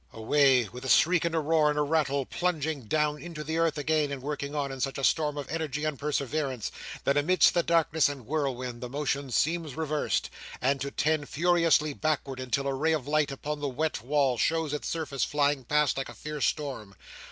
Away, with a shriek, and a roar, and a rattle, plunging down into the earth again, and working on in such a storm of energy and perseverance, that amidst the darkness and whirlwind the motion seems reversed, and to tend furiously backward, until a ray of light upon the wet wall shows its surface flying past like a fierce stream.